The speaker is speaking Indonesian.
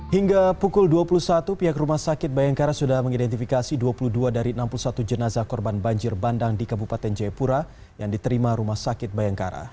hingga pukul dua puluh satu pihak rumah sakit bayangkara sudah mengidentifikasi dua puluh dua dari enam puluh satu jenazah korban banjir bandang di kabupaten jayapura yang diterima rumah sakit bayangkara